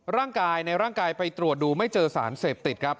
ร่างกายในร่างกายไปตรวจดูไม่เจอสารเสพติดครับ